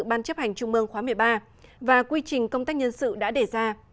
ban chấp hành trung mương khóa một mươi ba và quy trình công tác nhân sự đã đề ra